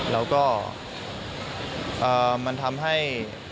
แล้วก็มันทำให้